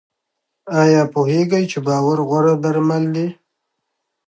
ایا پوهیږئ چې باور غوره درمل دی؟